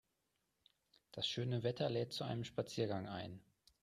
Das schöne Wetter lädt zu einem Spaziergang ein.